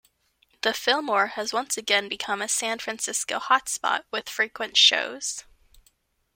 The Fillmore has once again become a San Francisco hot spot with frequent shows.